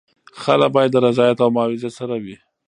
خلع باید د رضایت او معاوضې سره وي.